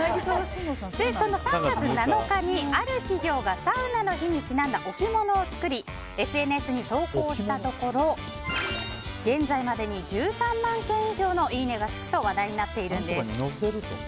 その３月７日にある企業がサウナの日にちなんだ置物を作りＳＮＳに投稿したところ現在までに１３万件以上のいいねがつくと話題になっているんです。